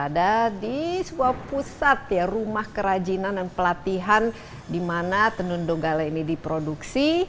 dan pelatihan di mana tenun donggala ini diproduksi